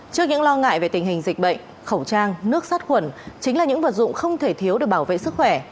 trước những lo ngại về tình hình dịch bệnh khẩu trang nước sát khuẩn chính là những vật dụng không thể thiếu để bảo vệ sức khỏe